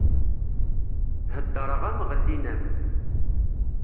Heddreɣ-am ɣellin-am!